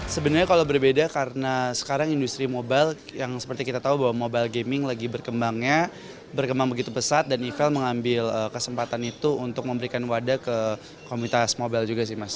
sebenarnya kalau berbeda karena sekarang industri mobile yang seperti kita tahu bahwa mobile gaming lagi berkembangnya berkembang begitu pesat dan eval mengambil kesempatan itu untuk memberikan wadah ke komunitas mobile juga sih mas